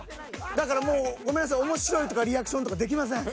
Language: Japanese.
だからもうごめんなさい面白いとかリアクションとかできません。